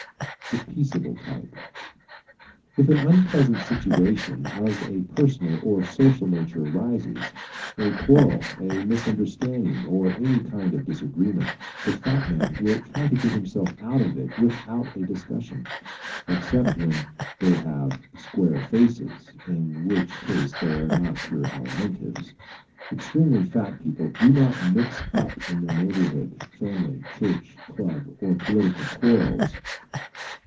The Peaceable Type ¶ If an unpleasant situation of a personal or social nature arises a quarrel, a misunderstanding or any kind of disagreement the fat man will try to get himself out of it without a discussion. Except when they have square faces (in which case they are not pure Alimentives), extremely fat people do not mix up in neighborhood, family, church, club or political quarrels.